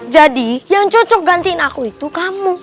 jadi yang cocok gantiin aku itu kamu